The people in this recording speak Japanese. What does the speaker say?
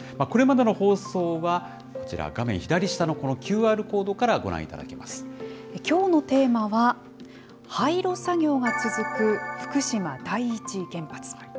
これまでの放送はこちら、画面左下のこのＱＲコードからご覧いたきょうのテーマは、廃炉作業が続く福島第一原発。